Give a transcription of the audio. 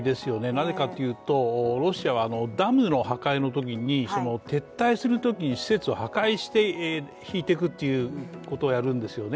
なぜかというと、ロシアはダムの破壊のときに撤退するときに施設を破壊して、ひいていくっていうことをやるんですね。